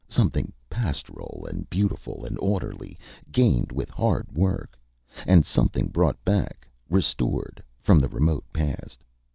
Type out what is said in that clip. Something pastoral and beautiful and orderly gained with hard work. And something brought back restored from the remote past.